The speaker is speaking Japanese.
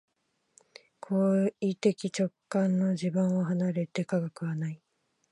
行為的直観の地盤を離れて科学はない。